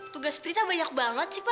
tugas pria banyak banget sih pa